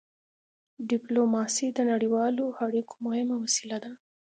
ډيپلوماسي د نړیوالو اړیکو مهمه وسيله ده.